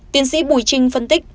tiến sĩ bùi trinh phân tích